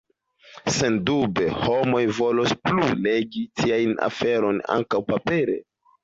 Sendube, homoj volos plu legi tiajn aferojn ankaŭ papere.